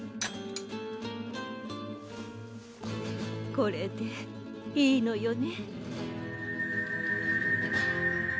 これでいいのよね？